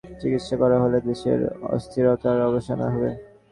আমি ভাবছি, মানুষের মনের চিকিৎসা করা হলে দেশের অস্থিরতার অবসান হবে।